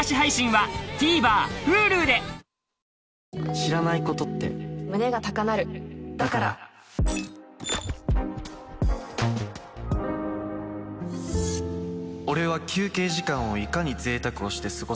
知らないことって胸が高鳴るだから俺は休憩時間をいかに贅沢をして過ごせるかを追求する男